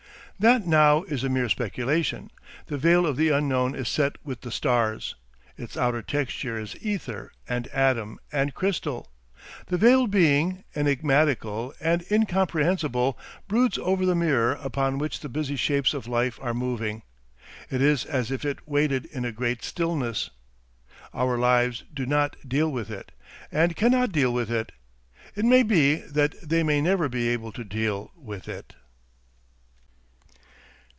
That now is a mere speculation. The veil of the unknown is set with the stars; its outer texture is ether and atom and crystal. The Veiled Being, enigmatical and incomprehensible, broods over the mirror upon which the busy shapes of life are moving. It is as if it waited in a great stillness. Our lives do not deal with it, and cannot deal with it. It may be that they may never be able to deal with it.